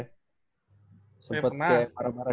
ya pernah sempet kayak parah parah